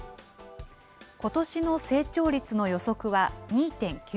ことしの成長率の予測は２．９％。